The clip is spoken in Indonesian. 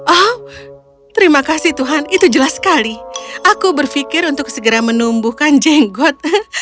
oh terima kasih tuhan itu jelas sekali aku berpikir untuk segera menumbuhkan jenggot